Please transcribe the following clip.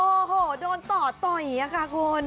โอ้โฮโดนต่อต่อยเนี่ยค่ะคน